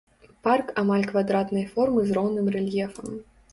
Парк амаль квадратнай формы з роўным рэльефам.